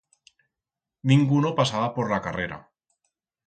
Dinguno pasaba por la carrera.